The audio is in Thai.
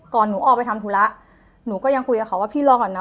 หนูออกไปทำธุระหนูก็ยังคุยกับเขาว่าพี่รอก่อนนะ